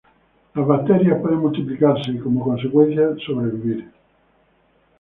Las bacterias pueden multiplicarse y como consecuencia sobrevivir.